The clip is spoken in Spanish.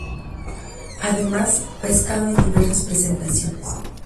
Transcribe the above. Además, pescado en diversas presentaciones.